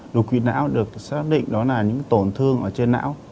đột quỵ não được xác định đó là những tổn thương ở trên não